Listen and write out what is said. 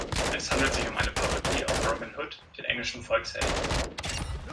Es handelt sich um eine Parodie auf Robin Hood, den englischen Volkshelden.